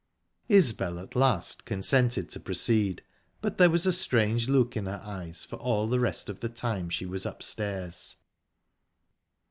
Isbel at last consented to proceed, but there was a strange look in her eyes for all the rest of the time she was upstairs.